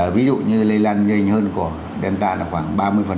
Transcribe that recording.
ví dụ như lây lan nhanh hơn của delta là khoảng ba mươi